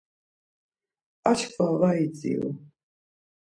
Ar çkva var idziru.